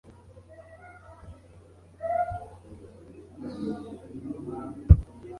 Murye Mwitonze Mukacange Neza